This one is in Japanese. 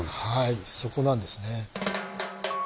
はいそこなんですね。